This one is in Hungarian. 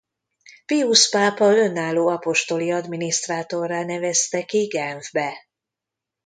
Piusz pápa önálló apostoli adminisztrátorrá nevezte ki Genfbe.